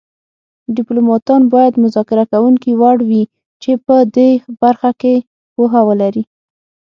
ډیپلوماتان باید مذاکره کوونکي وړ وي چې په دې برخه کې پوهه ولري